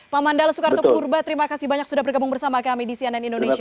pak mandala soekarno kurba terima kasih banyak sudah berkabung bersama kmedisian and indonesia